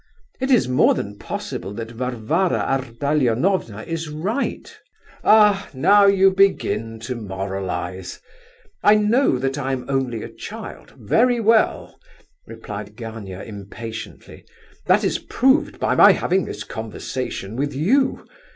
It is more than possible that Varvara Ardalionovna is right." "Ah! now you begin to moralize! I know that I am only a child, very well," replied Gania impatiently. "That is proved by my having this conversation with you.